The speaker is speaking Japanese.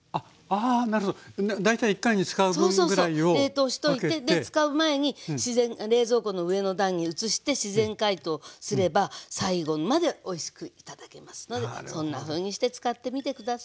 冷凍しといて使う前に冷蔵庫の上の段に移して自然解凍すれば最後までおいしく頂けますのでそんなふうにして使ってみて下さい。